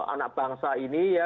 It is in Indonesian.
anak bangsa ini ya